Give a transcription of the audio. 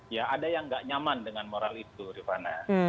ya ada yang nggak nyaman dengan moral itu rifana